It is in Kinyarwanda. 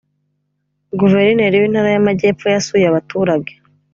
guverineri w’intara y’ amajyepfo yasuye abaturage